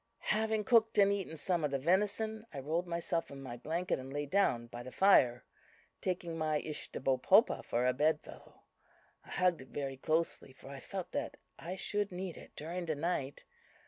"Having cooked and eaten some of the venison, I rolled myself in my blanket and lay down by the fire, taking my Ishtahbopopa for a bed fellow. I hugged it very closely, for I felt that I should need it during the night.